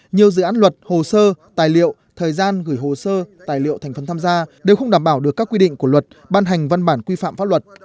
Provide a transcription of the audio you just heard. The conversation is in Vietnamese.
nhiều dự án luật hồ sơ tài liệu thời gian gửi hồ sơ tài liệu thành phần tham gia đều không đảm bảo được các quy định của luật ban hành văn bản quy phạm pháp luật